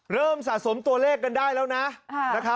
สะสมตัวเลขกันได้แล้วนะ